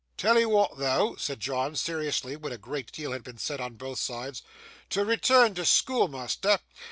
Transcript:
'Tell'ee wa'at though,' said John seriously, when a great deal had been said on both sides, 'to return to schoolmeasther.